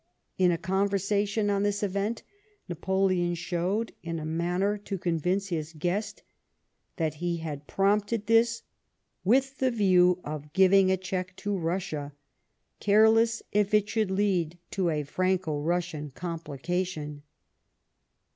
In a conversation on this event Napoleon showed, in a manner to convince his guest, that he had prompted this with the view of giving a check to Russia, careless if it should lead to a Franco Russian complication.